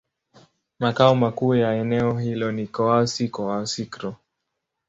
Makao makuu ya eneo hilo ni Kouassi-Kouassikro.